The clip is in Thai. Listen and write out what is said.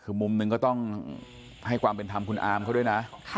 คือมุมหนึ่งก็ต้องให้ความเป็นธรรมคุณอาร์มเขาด้วยนะ